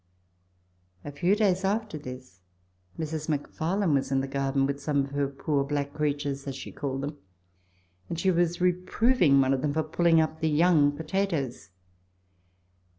A few days after this, Mrs. McFarlane was in the garden with some of her poor black creatures (as she called them), and she was reproving one of them for pulling up the young potatoes.